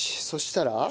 そしたら？